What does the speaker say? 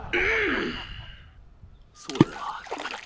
「そうではあるまい。